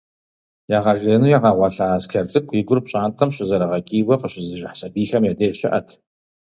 Ягъэжеину ягъэгъуэлъа Аскэр цӏыкӏу и гур пщантӏэм щызэрыгъэкӏийуэ къыщызыжыхь сэбийхэм я дежкӏэ щыӏэт.